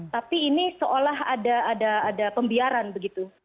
tapi ini seolah ada pembiaran begitu